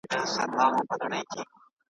مُلا بیا ویل زه خدای یمه ساتلی .